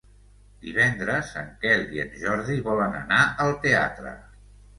Divendres en Quel i en Jordi volen anar al teatre.